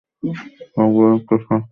ওগুলোর একটা স্বাদ ছিল।